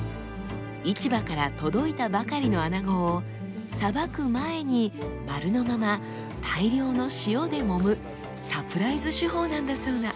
市場から届いたばかりのアナゴを捌く前に丸のまま大量の塩で揉むサプライズ手法なんだそうな。